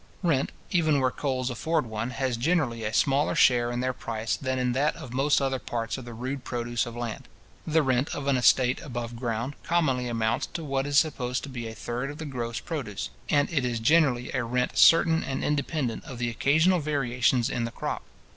Rent, even where coals afford one, has generally a smaller share in their price than in that of most other parts of the rude produce of land. The rent of an estate above ground, commonly amounts to what is supposed to be a third of the gross produce; and it is generally a rent certain and independent of the occasional variations in the crop.